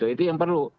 itu yang perlu